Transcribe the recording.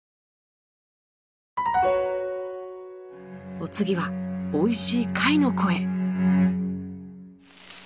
お次はおいしい貝の声。